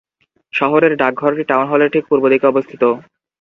শহরের ডাকঘরটি টাউন হলের ঠিক পূর্ব দিকে অবস্থিত।